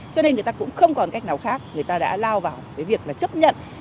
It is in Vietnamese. cho nên người ta cũng không còn cách nào khác người ta đã lao vào cái việc là chấp nhận